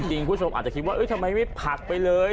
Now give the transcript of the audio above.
คุณผู้ชมอาจจะคิดว่าทำไมไม่ผลักไปเลย